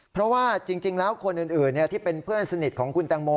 เพราะว่าจริงแล้วคนอื่นที่เป็นเพื่อนสนิทของคุณแตงโม